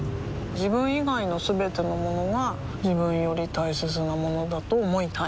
自分以外のすべてのものが自分より大切なものだと思いたい